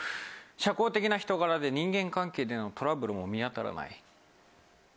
社交的な人柄で人間関係のトラブルも見当たらない。